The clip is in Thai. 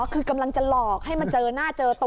คือกำลังจะหลอกให้มาเจอหน้าเจอตัว